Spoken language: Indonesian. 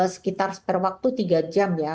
sekitar spare waktu tiga jam ya